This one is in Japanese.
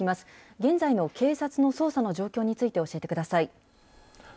現在の警察の捜査の状況について教えてください。